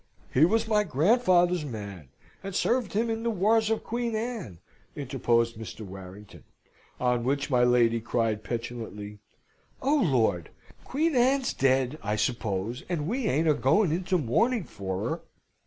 "He was my grandfather's man, and served him in the wars of Queen Anne," interposed Mr. Warrington. On which my lady cried, petulantly, "O Lord! Queen Anne's dead, I suppose, and we ain't a going into mourning for her."